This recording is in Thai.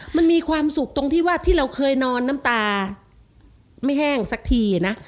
มันมีความสุขตรงที่ว่าที่เราเคยนอนน้ำตาไม่แห้งสักทีนะ